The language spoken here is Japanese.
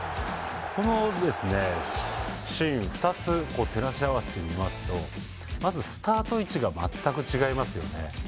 このシーン、２つ照らし合わせるとまずスタート位置が全く違いますよね。